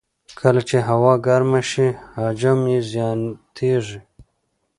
کله چې هوا ګرمه شي، حجم یې زیاتېږي.